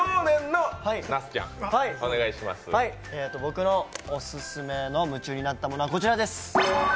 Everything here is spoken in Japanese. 僕のオススメの夢中になったものはこちらです。